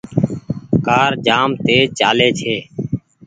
ڪآر جآم تيز چآلي ڇي۔